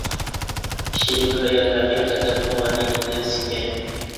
كىشىلىك ھايات ھەقىقەتەنمۇ غەلىتە نەرسە ئىكەن.